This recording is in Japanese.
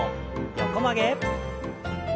横曲げ。